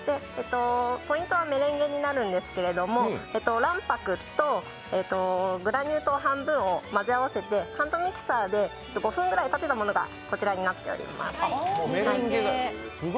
ポイントはメレンゲになるんですけれども卵白とグラニュー糖半分を混ぜ合わせて、ハンドミキサーで５分ぐらい泡立てたものがこちらになります。